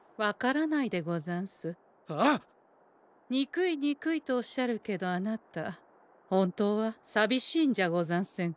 にくいにくいとおっしゃるけどあなた本当はさびしいんじゃござんせんか？